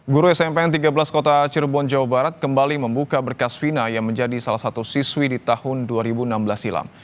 guru smpn tiga belas kota cirebon jawa barat kembali membuka berkas vina yang menjadi salah satu siswi di tahun dua ribu enam belas silam